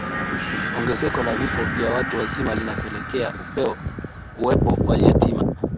ongezeko la vifo vya watu wazima linapelekea uwepo wa yatima